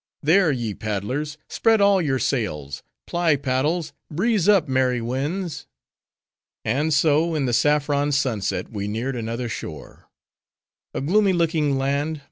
there, ye paddlers! spread all your sails; ply paddles; breeze up, merry winds!" And so, in the saffron sunset, we neared another shore. A gloomy looking land!